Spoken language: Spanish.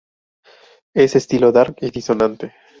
Es estilo Dark y disonante.